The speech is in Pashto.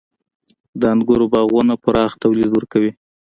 • د انګورو باغونه پراخ تولید ورکوي.